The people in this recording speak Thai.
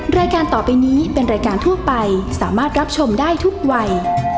รายการต่อไปนี้เป็นรายการทั่วไปสามารถรับชมได้ทุกวัย